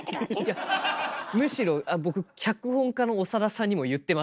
いやむしろ僕脚本家の長田さんにも言ってます。